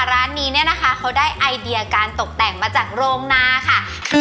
ร้านนี้เขาได้ไอเดียการตกแต่งมาจากโรงนาค่ะ